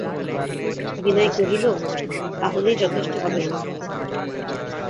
বিনয় কহিল, তা হলেই যথেষ্ট হবে মা!